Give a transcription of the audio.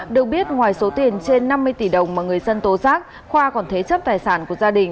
được biết ngoài số tiền trên năm mươi tỷ đồng mà người dân tố giác khoa còn thế chấp tài sản của gia đình